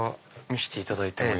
見せていただいても。